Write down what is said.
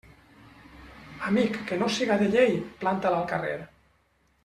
Amic que no siga de llei, planta'l al carrer.